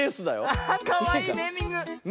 アハッかわいいネーミング。ね。